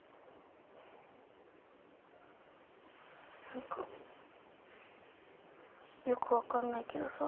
なんかよく分かんないけどさ